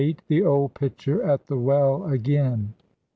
THE OLD PITCHER AT THE WELL AGAIN.